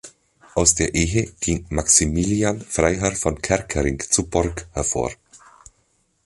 Aus der Ehe ging "Maximilian Freiherr von Kerckerinck zur Borg" hervor.